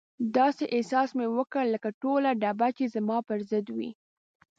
داسې احساس مې وکړ لکه ټوله ډبه چې زما پر ضد وي.